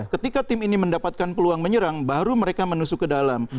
ketika tim ini mendapatkan peluang menyerang baru mereka menusuk ke dalam